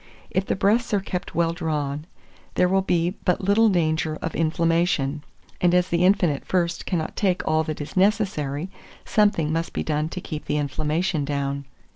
If the breasts are kept well drawn, there will be but little danger of inflammation; and as the infant at first cannot take all that is necessary, something must be done to keep the inflammation down.